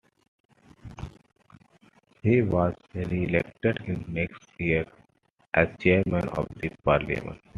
He was reelected in next years as chairman of the parliament.